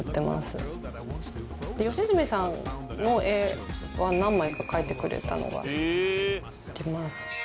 良純さんの絵は何枚か描いてくれたのがあります。